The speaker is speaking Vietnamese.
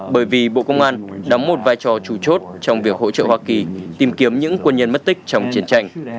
bởi vì bộ công an đóng một vai trò chủ chốt trong việc hỗ trợ hoa kỳ tìm kiếm những quân nhân mất tích trong chiến tranh